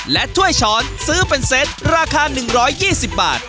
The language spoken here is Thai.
และถ้วยช้อนซื้อเป็นเซตราคา๑๒๐บาท